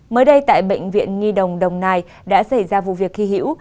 mới đây tại bệnh viện nhi đồng đồng nai đã xảy ra vụ việc thi hữu